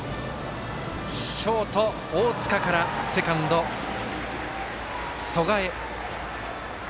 ショート、大塚からセカンド、曽我へ。